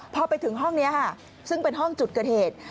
พอไปถึงห้องนี้ค่ะซึ่งเป็นห้องจุดเกิดเหตุ